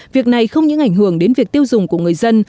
việc này không những ảnh hưởng đến việc tiêu dùng của người dân